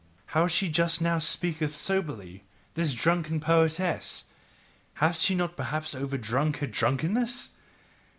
How she just now speaketh soberly, this drunken poetess! hath she perhaps overdrunk her drunkenness?